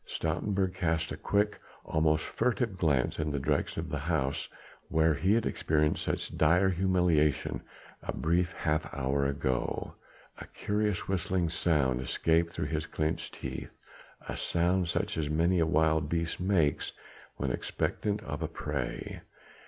Stoutenburg cast a quick, almost furtive glance in the direction of the house where he had experienced such dire humiliation a brief half hour ago. A curious whistling sound escaped through his clenched teeth, a sound such as many a wild beast makes when expectant of prey.